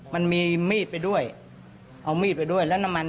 มันมีมีดไปด้วยเอามีดไปด้วยแล้วน้ำมัน